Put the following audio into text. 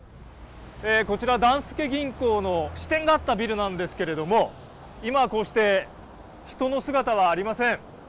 こちらダンスケ銀行の支店があったビルなんですけれども、今、こうして人の姿はありません。